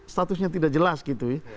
statusnya tidak jelas gitu ya